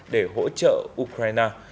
để hỗ trợ ukraine